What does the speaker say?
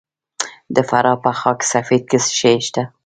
د فراه په خاک سفید کې څه شی شته؟